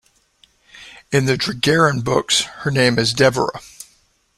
In the Dragaeran books her name is Devera.